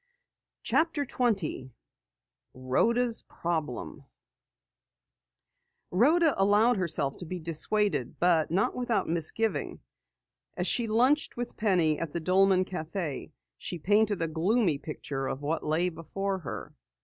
CHAPTER 20 RHODA'S PROBLEM Rhoda allowed herself to be dissuaded, but not without misgiving. As she lunched with Penny at the Dolman Cafe, she painted a gloomy picture of what lay before her.